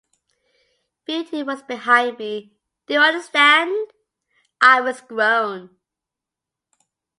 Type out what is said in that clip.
Beauty was behind me, do you understand? — I was grown.